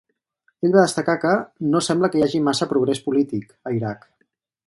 Ell va destacar que, "no sembla que hi hagi massa progrés polític" a Iraq.